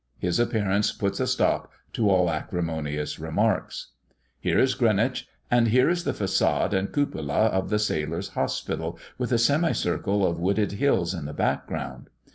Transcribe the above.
His appearance puts a stop to all acrimonious remarks. Here is Greenwich, and here is the façade and the cupola of the sailor's hospital, with a semicircle of wooded hills in the background.